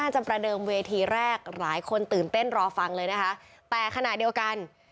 จะประเดิมเวทีแรกหลายคนตื่นเต้นรอฟังเลยนะคะแต่ขณะเดียวกัน